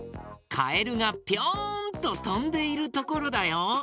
カエルがピョンととんでいるところだよ。